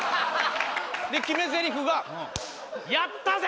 で決めぜりふが「やったぜ！」